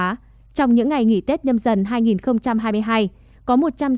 trong những ngày nghỉ tết nhâm dần hai nghìn hai mươi hai